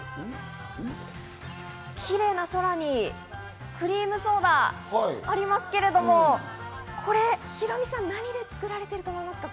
キレイな空にクリームソーダがありますけれども、これヒロミさん、何で作られてると思いますか？